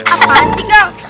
apaan sih kal